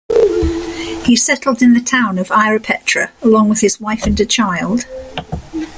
He settled in the town of Ierapetra along with his wife and a child.